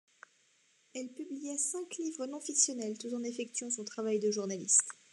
Elle publia cinq livres non-fictionnels tout en effectuant son travail de journaliste.